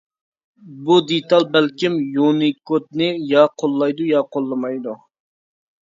بۇ دېتال بەلكىم يۇنىكودنى يا قوللايدۇ يا قوللىمايدۇ.